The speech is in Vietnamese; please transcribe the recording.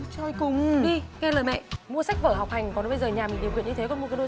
cho nên là anh nghĩ là anh có thể dẫn em đi mua một cái chỗ nó rẻ hơn